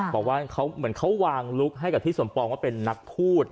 บอกว่าเขาเหมือนเขาวางลุคให้กับที่สมปองว่าเป็นนักพูด